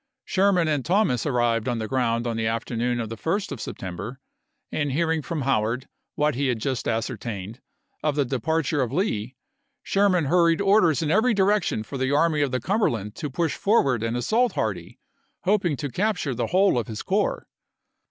Sherman and Thomas arrived on the ground on the afternoon of the 1st of September, and hearing from Howard, ism. what he had just ascertained, of the departure of Lee, Sherman hurried orders in every direction for the Army of the Cumberland to push forward and assault Hardee, hoping to capture the whole of his corps.